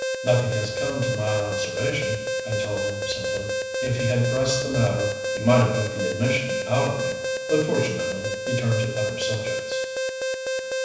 "Nothing has come to my observation," I told him simply. If he had pressed the matter he might have got the admission out of me; but fortunately he turned to other subjects.